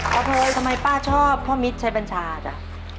โพยทำไมป้าชอบพ่อมิตรชัยบัญชาจ้ะ